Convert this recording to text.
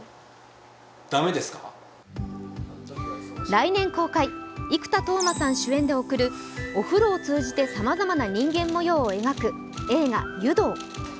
来年公開、生田斗真さん主演で贈る、お風呂を通じてさまざまな人間模様を描く映画「湯道」。